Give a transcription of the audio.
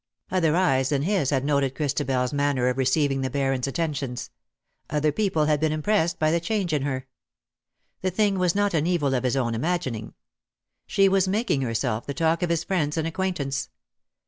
Other eyes than his had noted Christ abePs manner of receiving the Baron^s attentions — other people had been impressed by the change in her. The thing was not an evil of his own imagining. She was making herself the talk of his friends and acquaintance.